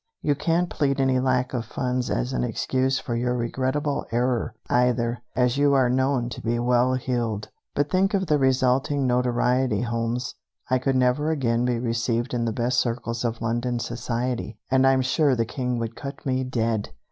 You can't plead any lack of funds as an excuse for your regrettable error, either, as you are known to be well heeled." "But think of the resulting notoriety, Holmes. I could never again be received in the best circles of London society, and I'm sure the King would cut me dead!"